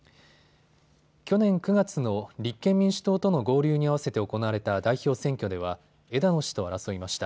去年９月の立憲民主党との合流に合わせて行われた代表選挙では枝野氏と争いました。